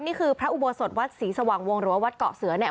นี่คือพระอุบัสสทธิ์วัดสีสว่างวงหรือวัดเกาะเสือ